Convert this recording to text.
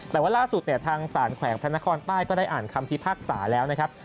แต่ว่าล่าสุดเนี่ยทางสารแขวงพระนครใต้ก็ได้อ่านคำพิพากษาแล้วนะครับ